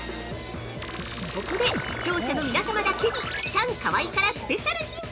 ◆ここで視聴者の皆様だけにチャンカワイからスペシャルヒント！